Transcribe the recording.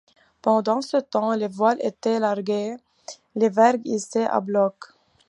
Pendant ce temps, les voiles étaient larguées, les vergues hissées à bloc.